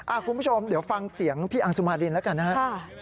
คุณผู้ชมเดี๋ยวฟังเสียงพี่อังสุมารินแล้วกันนะครับ